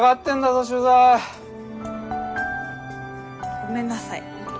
ごめんなさい。